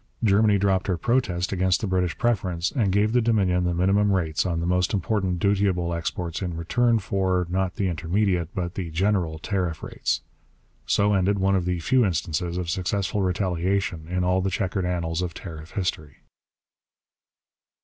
Germany dropped her protest against the British preference, and gave the Dominion the minimum rates on the most important dutiable exports in return for, not the intermediate, but the general tariff rates. So ended one of the few instances of successful retaliation in all the chequered annals of tariff history.